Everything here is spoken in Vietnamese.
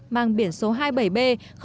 mang biển số hai mươi bảy b ba trăm sáu mươi sáu